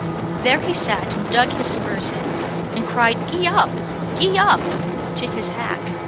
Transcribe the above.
There he sat and dug his spurs in, and cried, "Gee up! gee up!" to his hack.